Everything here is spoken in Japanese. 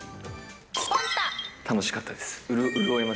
楽しかったです。